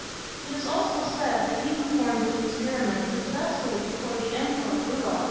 It is also said that he performed this experiment successfully before the Emperor Rudolph II.